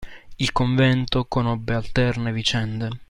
Il convento conobbe alterne vicende.